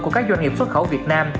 của các doanh nghiệp xuất khẩu việt nam